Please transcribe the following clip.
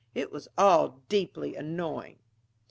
It was all deeply annoying.